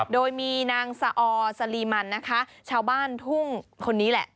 โดยมีนางสอสลีมันนะคะชาวบ้านทุ่งคนนี้แหละ